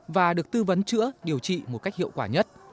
và được tư vấn chữa điều trị một cách hiệu quả nhất